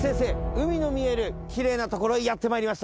海の見える奇麗な所へやってまいりました。